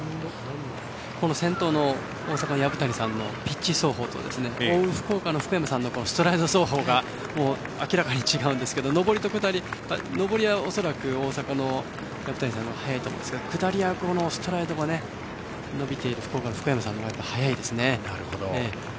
先頭の大阪の薮谷さんのピッチ走法と追う福岡のストライド走法が明らかに違うんですが上りは恐らく、大阪の薮谷さんのほうが速いと思うんですが下りはストライドが伸びている福岡の福山さんが速いです。